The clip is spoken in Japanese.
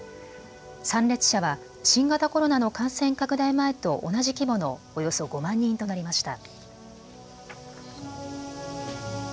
参列者は新型コロナの感染拡大前と同じ規模のおよそ５万人となりました。